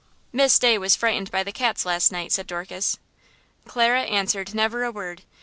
"Miss Day was frightened by the cats last night," said Dorcas. Clara answered never a word.